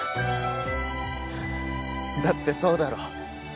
だってそうだろ？